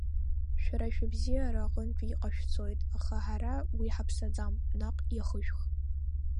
Шәара шәыбзиара аҟынтәи иҟашәҵоит, аха ҳара уи ҳаԥсаӡам, наҟ иахышәх!